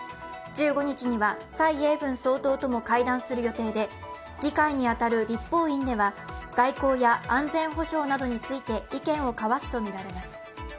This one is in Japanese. １５日には、蔡英文総統とも会談する予定で議会に当たる立法院では外交や安全保障などについて意見を交わすとみられます。